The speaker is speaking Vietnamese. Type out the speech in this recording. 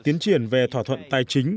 tiến triển về thỏa thuận tài chính